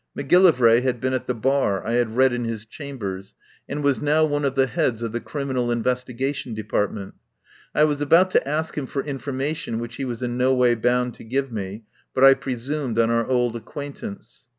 Macgillivray had been at the Bar — I had read in his chambers — and was now one of the heads of the Criminal In vestigation Department. I was about to ask him for information which he was in no way bound to give me, but I presumed on our old acquaintance.